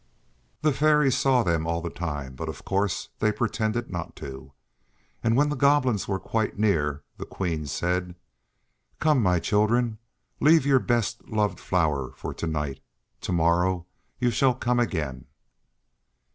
The Fairies saw them all the time, but of course they pretended not to, and when the Goblins were quite near the Queen said: "Come, my children; leave your best loved flower for to night. To morrow you shall come again."